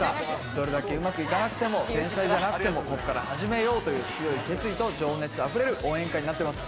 どれだけうまくいかなくても天才じゃなくても、こっから始めようという強い決意と情熱あふれる応援歌になってます。